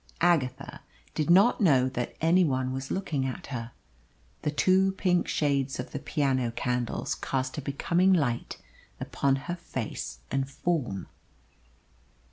Agatha did not know that any one was looking at her. The two pink shades of the piano candles cast a becoming light upon her face and form.